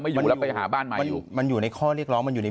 อยู่แล้วไปหาบ้านใหม่มันอยู่มันอยู่ในข้อเรียกร้องมันอยู่ใน